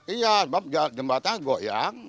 iya sebab jembatan goyang